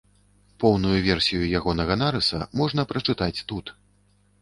Поўную версію ягонага нарыса можна прачытаць тут.